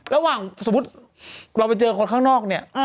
สมมุติเราไปเจอคนข้างนอกเนี่ย